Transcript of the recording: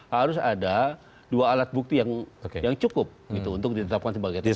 harus ada dua alat bukti yang cukup untuk ditetapkan sebagai tersangka